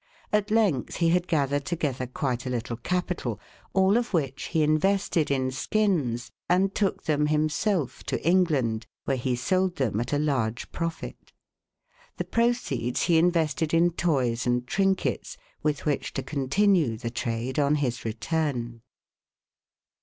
At length he had gathered together quite a little capi tal, all of which he invested in skins, and took them himself to England, where he sold them at a large profit. The proceeds he invested in toys and trinkets, with which to continue the trade on his return.